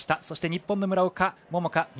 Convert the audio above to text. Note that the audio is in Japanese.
そして日本の村岡桃佳